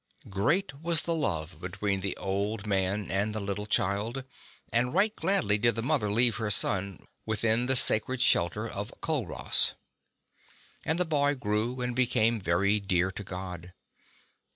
Great was the love between the old man and the little child, and right gladly did the mother leave her son within the 76 sacred shelter of Culross. And the boy grew and became very dear to God.